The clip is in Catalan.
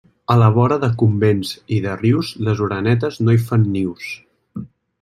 A la vora de convents i de rius, les orenetes no hi fan nius.